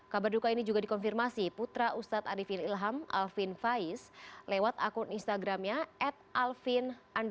kabar duka ini juga dikonfirmasi putra ustadz arifin ilham alvin faiz lewat akun instagramnya at alvin empat ratus sebelas